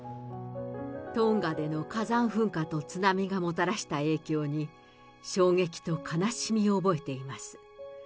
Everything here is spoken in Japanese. トンガでの火山噴火と津波がもたらした影響に、衝撃と悲しみを覚えています。